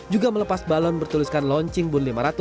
juga melepas balon bertuliskan launching booon lima ratus